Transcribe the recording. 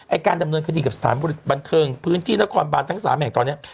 การดำเนินคดีกับสถานบันเทิงพื้นที่นครบานทั้ง๓แห่งตอนนี้